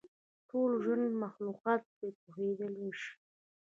ټول ژوندي مخلوقات پرې پوهېدلای شي.